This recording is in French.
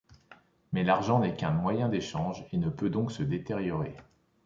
Mais l’argent n’est qu’un moyen d’échange et ne peut donc se détériorer.